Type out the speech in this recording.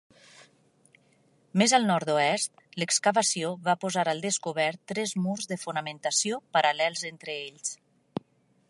Més al nord-oest, l’excavació va posar al descobert tres murs de fonamentació paral·lels entre ells.